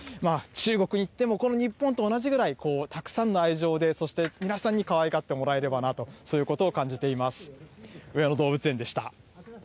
中国行ってもこの日本と同じくらい、たくさんの愛情で、そして皆さんにかわいがってもらえればなと、そういうことを感じています。